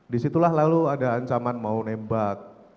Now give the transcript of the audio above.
disitulah lalu ada ancaman mau nembak